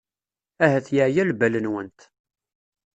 Ahat yeɛya lbal-nwent.